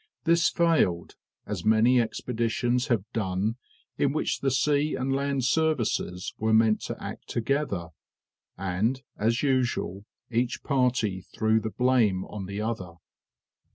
This failed, as many expeditions have done in which the sea and land services were meant to act together; and as usual, each party threw the blame on the other.